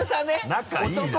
仲いいな。